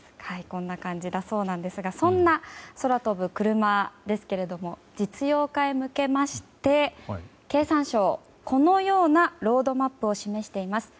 こんな感じだそうなんですがそんな、空飛ぶクルマですが実用化へ向けまして、経産省はこのようなロードマップを示しています。